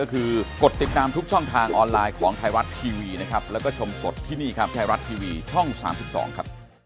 คำถามถูกต้องครับ